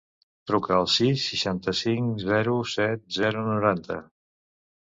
Truca al sis, seixanta-cinc, zero, set, zero, noranta.